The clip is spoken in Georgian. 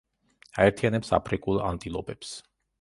აერთიანებს აფრიკულ ანტილოპებს.